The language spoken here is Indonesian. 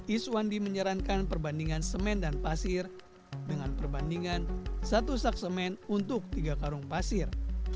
iswandi menyarankan perbandingan semen dan pasir dengan perbandingan satu sak semen untuk tiga karung pasir